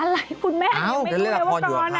อะไรคุณแม่ยังไม่รู้เรียนละครอยู่หรือคะ